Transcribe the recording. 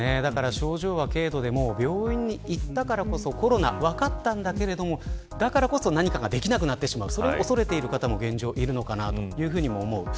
症状は軽度でも病院に行ったからこそコロナが分かったからこそだからこそ何かができなくなるというそれを恐れている現状もあるのかなと思います。